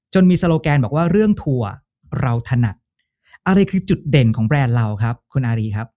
มีโซโลแกนบอกว่าเรื่องทัวร์เราถนัดอะไรคือจุดเด่นของแบรนด์เราครับคุณอารีครับ